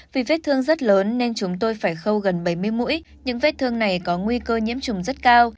vì vết thương rất lớn nên chúng tôi phải khâu gần bảy mươi mũi những vết thương này có nguy cơ nhiễm trùng rất cao